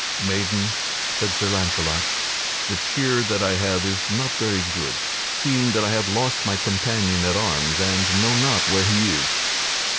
"Maiden," said Sir Launcelot, "the cheer that I have is not very good, seeing that I have lost my companion at arms and know not where he is."